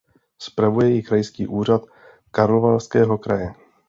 Spravuje ji Krajský úřad Karlovarského kraje.